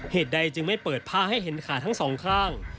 เหตุใดจึงไม่เปิดผ้าให้เห็นขาทั้งสองข้าง